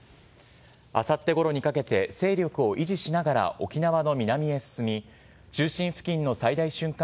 あさってごろにかけて、勢力を維持しながら沖縄の南へ進み、中心付近の最大瞬間